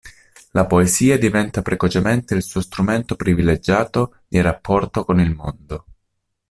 La poesia diventa precocemente il suo strumento privilegiato di rapporto con il mondo.